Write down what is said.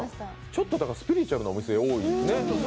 ちょっとスピリチュアルなお店多いね。